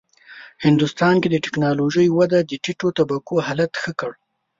هندوستان کې د ټېکنالوژۍ وده د ټیټو طبقو حالت ښه کړ.